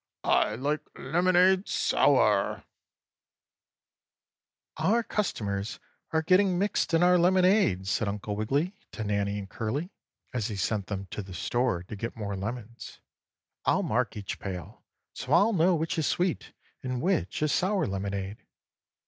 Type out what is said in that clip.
I like lemonade sour!" 6. "Our customers are getting mixed in our lemonade," said Uncle Wiggily to Nannie and Curly, as he sent them to the store to get more lemons. "I'll mark each pail so I'll know which is sweet and which is sour lemonade."